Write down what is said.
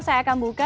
saya akan buka